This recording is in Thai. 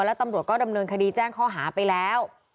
แล้วตำรวจก็ดำเนินคดีแจ้งข้อหาไปแล้ว